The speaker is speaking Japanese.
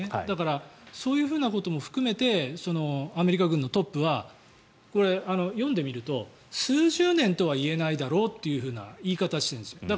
だからそういうふうなことも含めてアメリカ軍のトップはこれ、読んでみると数十年とは言えないだろうという言い方をしているんです。